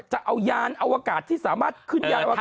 จะเอายานอวกาศที่สามารถขึ้นยานอง